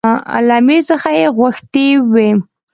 له امیر څخه یې غوښتي وو.